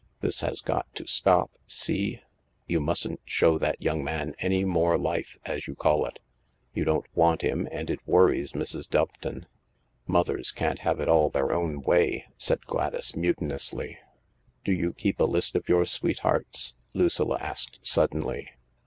"This has got to stop, see ? You mustn't show that young man any more life, as you call it. You don't want him, and it worries Mrs. Doveton." " Mothers can't have it all their own way," said Gladys mutinously. " Do you keep a list of your sweethearts ?" Lucilla asked suddenly.